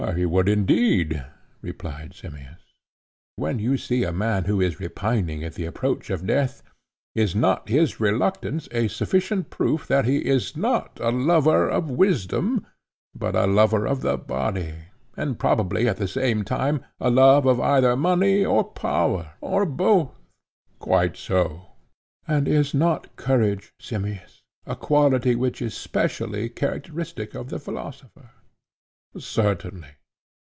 He would, indeed, replied Simmias. And when you see a man who is repining at the approach of death, is not his reluctance a sufficient proof that he is not a lover of wisdom, but a lover of the body, and probably at the same time a lover of either money or power, or both? Quite so, he replied. And is not courage, Simmias, a quality which is specially characteristic of the philosopher? Certainly.